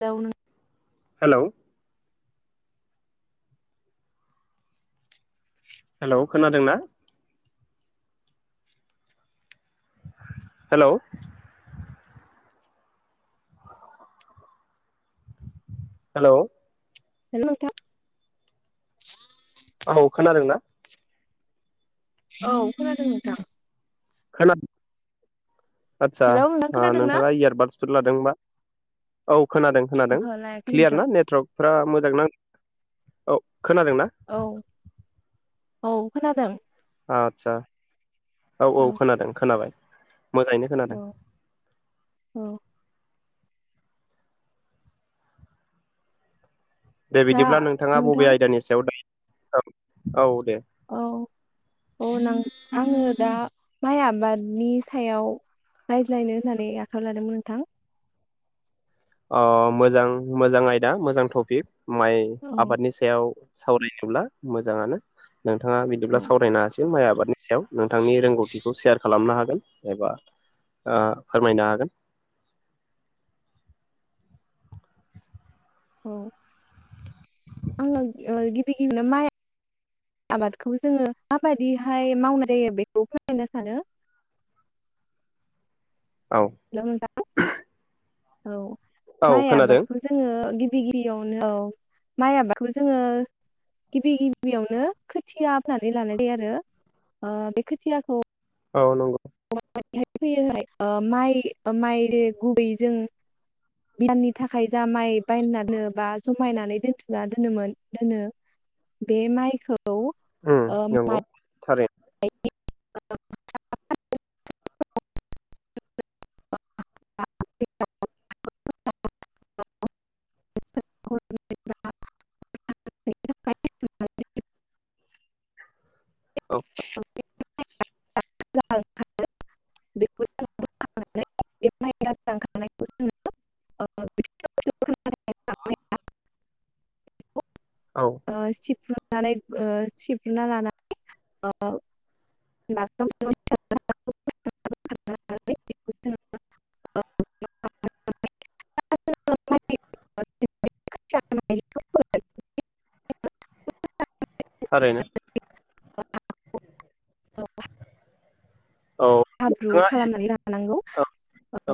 दावनो hello hello खोनादों ना? Hello hello hello नोंथां औ खोनादों ना? औ खोनादों नोंथां। खोना आदसा हेलौ नोंथां खोनादों ना? नोंथाङा इयारबादसफोर लादों बा औ खोनादों खोनादों ओहो लायाखै क्लियार नोंथां ना नेटवार्कफ्रा मोजां ना? औ। खोनादों ना औ औ खोनादों। आतसा औ औ खोनादों खोनाबाय मोजाङैनो खोनादों। औ दे दा बिदिब्ला नोंथाङा नोंथां बबे आयदानि सायाव दायो औ औ दे। औ औनां आङो दा माइ आबादनि सायाव रायज्लायनो होननानै आखायाव लादोंमोन नोंथां। अ मोजां मोजां आयदा मोजां थफिक। माइ औ आबादनि सायाव सावरायनोब्ला मोजाङानो। नोंथाङा बिदिब्ला औ सावरायनो हासि गोन माइ आबादनि सायाव। नोंथांनि रोंगौथि खौ सेयार खालामनो हागोन एबा ओ फोरमायनो हागोन। औ आङो ओ गिबि गिबियावनो माइ आबादखौ जोङो माबायदिहाय मावनाय जायो बेखौ फोरमायनो सानो। औ हेलौ नोंथां औ औ माइ खोनादों आबादखौ जोङो गि बि गिबियावनो औ माइ आबादखौ जोङो गिबि गिबियावनो खोथिया फोननानै लानाय जायो आरो ओ बे खोथियाखौ औ नंगौ हाय फैयोहाय माइ ओ माइ गुबैयै जों मायनि थाखाय जा माइ बायनानै बा जमायनानै दोनथुना दोनोमोन दोनो बे माइखौ उम नंगौ थारै [inaudible] औ [inaudible] [unintelligible] औ ओ सिफ्रो [unintelligible] सिबना लानानै [inaudible] थारैनो [inaudible] औ हाब्रु नोंथाङा खालामनानै लानांगौ औ औ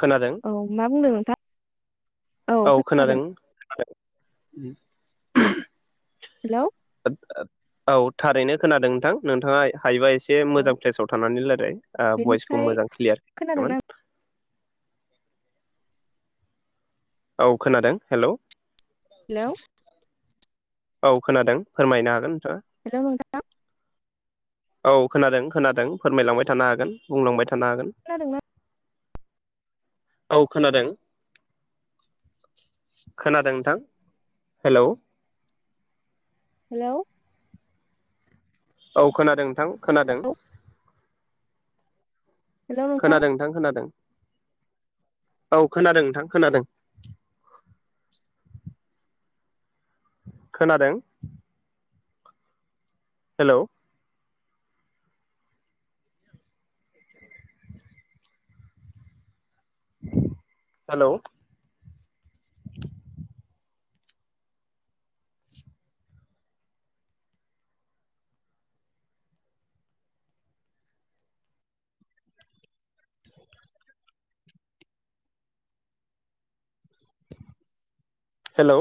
खोनादों औ मा बुंदों नों दा औ खोनादों [unintelligible] हेलौ औ थारैनो खोनादों नोंथां नोंथाङा हायोबा एसे एसे औ मोजां प्लेसाव थानानै रायलाय भयसखौ बेनिफ्राय मोजां क्लियार खोनादोंना खोनायाखैमोन औ खोनादों हेलौ हेलौ औ खोनादों फोरमायनो हागोन नोंथाङा हेलौ नोंथां औ खोनादों खोनादों फोरमायलांबाय थानो हागोन बुंलांबाय था थानो हागोन खोनादोंना औ खोनादों खोनादों नोंथां हेलौ हेलौ औ खोनादों नोंथां खोनादों खोनादों नोंथां खोनादों औ खोनादों नोंथां खोनादों खोनादों हेलौ हेलौ हेलौ